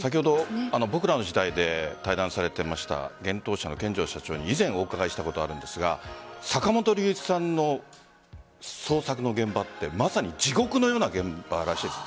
「僕らの時代」で対談されていました幻冬舎の見城社長にお伺いしたことがあるんですが坂本龍一さんの創作の現場ってまさに地獄のような現場らしいです。